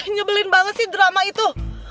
nyebelin banget sih drama itu